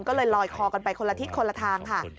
ก็เลยลอยคอกันไปคนละทิศคนละทางค่ะ